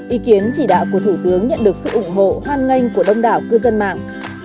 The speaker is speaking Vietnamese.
ý kiến chỉ đạo của thủ tướng nhận được sự ủng hộ hoan nghênh của đông đảo cư dân mạng